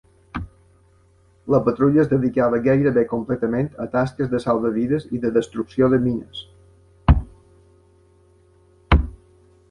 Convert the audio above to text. La patrulla es dedicava gairebé completament a tasques de salvavides i de destrucció de mines.